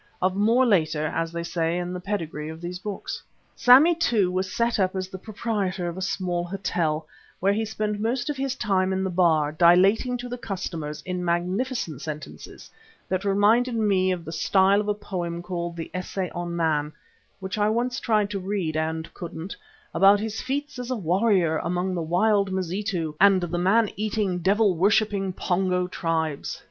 Of whom more later as they say in the pedigree books. Sammy, too, was set up as the proprietor of a small hotel, where he spent most of his time in the bar dilating to the customers in magnificent sentences that reminded me of the style of a poem called "The Essay on Man" (which I once tried to read and couldn't), about his feats as a warrior among the wild Mazitu and the man eating, devil worshipping Pongo tribes.